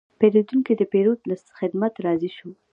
پیرودونکی د پیرود له خدمت راضي شو.